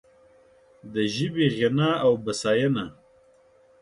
د ژبې غنا او بسیاینه